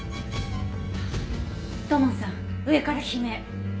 土門さん上から悲鳴。